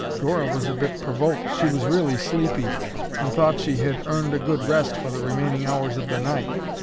Dora was a bit provoked. She was really sleepy, and thought she had earned a good rest for the remaining hours of the night.